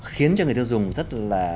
khiến cho người thương dùng rất là